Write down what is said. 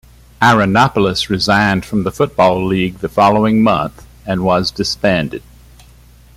Ironopolis resigned from the Football League the following month and was disbanded.